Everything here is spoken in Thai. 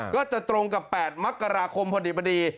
ก็จะตรงกับ๘มกราคมพอดี